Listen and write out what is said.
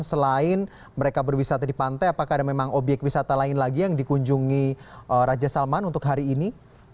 selain mereka berwisata di pantai apakah ada memang obyek wisata lain lagi yang dikunjungi raja salman untuk hari ini